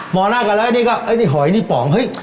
มองหน้ากันแล้วอันนี้ก็อันนี้หอยอันนี้ป๋อง